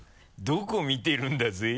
どこ見てるんだぜぇ？